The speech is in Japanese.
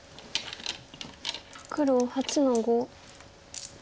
黒８の五。